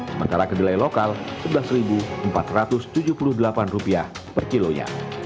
sementara kedelai lokal rp sebelas empat ratus tujuh puluh delapan per kilonya